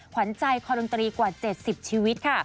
ขวัญใจคอดนตรีกว่า๗๐ชีวิตค่ะ